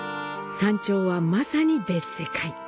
山頂はまさに別世界。